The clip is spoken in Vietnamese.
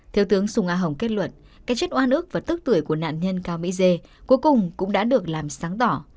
thiếu tướng sùng a hồng kết luận cái chất oan ức và tức tuổi của nạn nhân cao mỹ dê cuối cùng cũng đã được làm sáng tỏ